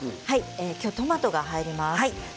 今日はトマトが入ります。